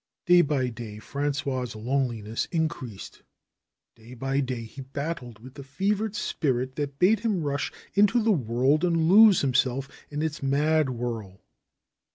Day by day Frangois' loneliness increased. Day by day he battled with the fevered spirit that bade him rush THE HERMIT OF SAGUENAY 49 into the world and lose himself in its mad whirl.